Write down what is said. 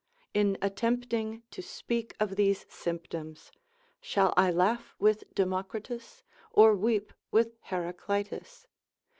in attempting to speak of these symptoms, shall I laugh with Democritus, or weep with Heraclitus?